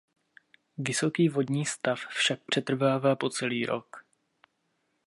Vysoký vodní stav však přetrvává po celý rok.